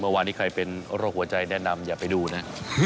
เมื่อวานนี้ใครเป็นโรคหัวใจแนะนำอย่าไปดูนะ